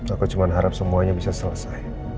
aku cuma harap semuanya bisa selesai